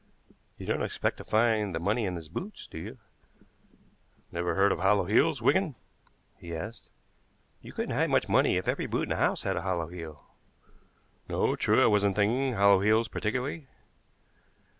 "You don't expect to find the money in his boots, do you?" "Never heard of hollow heels, Wigan?" he asked. "You couldn't hide much money if every boot in the house had a hollow heel." "No, true. I wasn't thinking of hollow heels particularly."